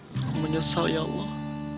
aku menyesal ya allah